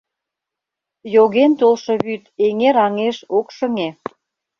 Йоген толшо вӱд эҥер аҥеш ок шыҥе.